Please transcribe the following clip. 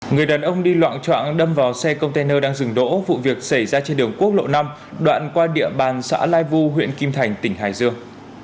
người đàn ông đi loạn trạng đâm vào xe container đang dừng đỗ vụ việc xảy ra trên đường quốc lộ năm đoạn qua địa bàn xã lai vu huyện kim thành tỉnh hải dương